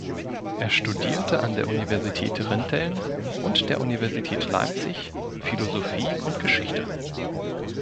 Er studierte an der Universität Rinteln und der Universität Leipzig Philosophie und Geschichte.